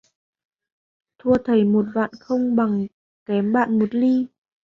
Thua thầy một vạn không bằng kém bạn một li